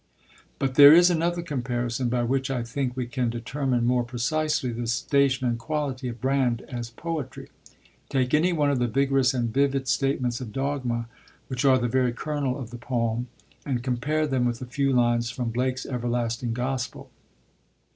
But there is another comparison by which I think we can determine more precisely the station and quality of Brand as poetry. Take any one of the vigorous and vivid statements of dogma, which are the very kernel of the poem, and compare them with a few lines from Blake's Everlasting Gospel.